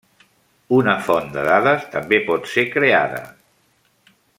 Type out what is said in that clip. Una font de dades també pot ser creada.